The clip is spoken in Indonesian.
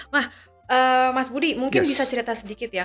nah mas budi mungkin bisa cerita sedikit ya